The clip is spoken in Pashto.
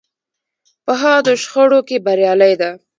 په حادو شخړو کې بریالۍ ده.